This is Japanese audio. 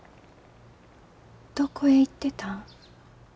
どこへ行ってたん？